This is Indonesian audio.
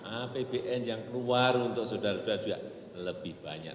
apbn yang keluar untuk saudara saudara juga lebih banyak